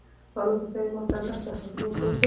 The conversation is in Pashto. طالب ورته وویل ما سره لښته وه هغه مې ورته وښوروله.